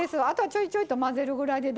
ちょいちょいと混ぜるぐらいで。